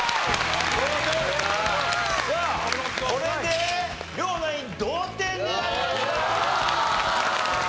さあこれで両ナイン同点になりました！